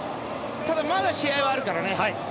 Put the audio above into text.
ただ、まだ試合はあるからね。